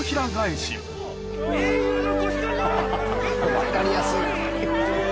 分かりやすいな。